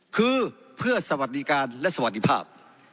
คือเพื่อสวัสดิการและสวัสดีภาพ